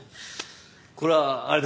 これはあれですか？